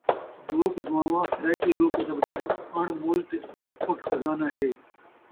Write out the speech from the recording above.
لوک دعاواں سرائیکی لوک ادب دا ہک اَݨ مُل تے اَݨ کھُٹ خزانہ ہے۔